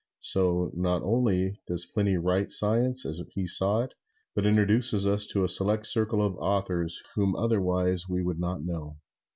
So not only does Pliny write science as he saw it, but introduces us into a select circle of authors whom otherwise we would not know.